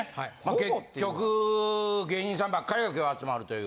結局芸人さんばっかりが今日は集まるという。